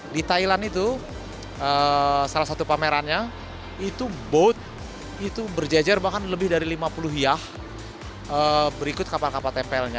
di thailand itu salah satu pamerannya itu boat itu berjajar bahkan lebih dari lima puluh hiah berikut kapal kapal tempelnya